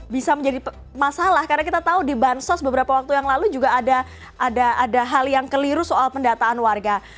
bisa menjadi masalah karena kita tahu di bansos beberapa waktu yang lalu juga ada hal yang keliru soal pendataan warga